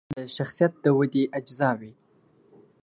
د شخصیت د ودې اجزاوې